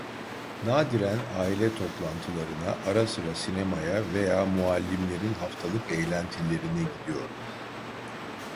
Nadiren aile toplantılarına, ara sıra sinemaya veya muallimlerin haftalık eğlentilerine gidiyordum.